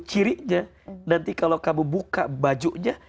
cirinya nanti kalau kamu buka bajunya